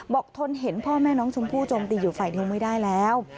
ทนเห็นพ่อแม่น้องชมพู่โจมตีอยู่ฝ่ายเดียวไม่ได้แล้ว